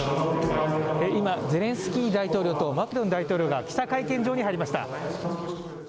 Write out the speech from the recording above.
今、ゼレンスキー大統領とマクロン大統領が記者会見場に入りました。